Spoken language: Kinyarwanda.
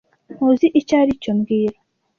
Ntuzi icyo aricyo mbwira